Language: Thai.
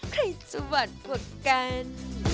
ใครจะหวั่นกว่ากัน